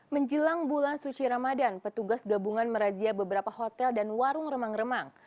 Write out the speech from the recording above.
menjelang bulan suci ramadan petugas gabungan merazia beberapa hotel dan warung remang remang